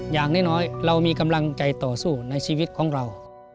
อย่างน้อยเรามีกำลังใจต่อสู้ในชีวิตของเรา